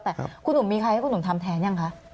แต่คุณหนุ่มมีใครให้คุณหนุ่มทำแทนยังคะ